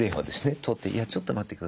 取っていやちょっと待ってください